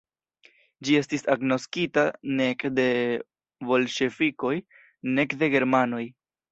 Ĝi estis agnoskita nek de bolŝevikoj, nek de germanoj.